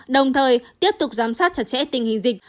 đồng thời tiếp tục giám sát chặt chẽ tình hình dịch